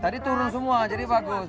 tadi turun semua jadi bagus